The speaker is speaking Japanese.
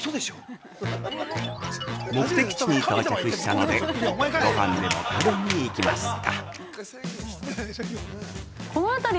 目的地に到着したのでごはんでも食べに行きますか。